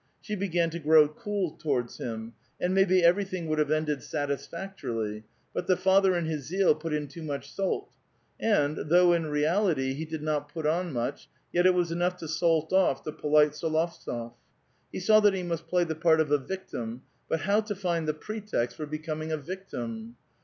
She began to grow cool towards him ; and maybe everything would have ended satisfactorily ; but the lather in his zeal put in too much salt ; and, though in reality he did not put on much, yet it was enough to salt ofiF the polite S61ovtsof . He saw that he must play the part of a victim, but how to find a pretext for becoming a victim.